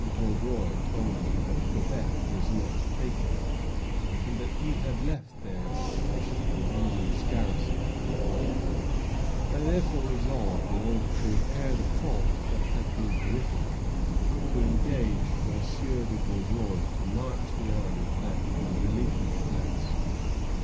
de Vaudreuil told me that Quebec was not taken, and that he had left there a sufficiently numerous garrison; I therefore resolved, in order to repair the fault that had been committed, to engage M. de Vaudreuil to march the army back to the relief of the place.